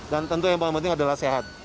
dan tentu yang paling penting adalah sehat